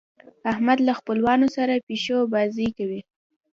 احمد له خپلوانو سره پيشو بازۍ کوي.